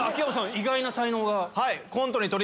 意外な才能が。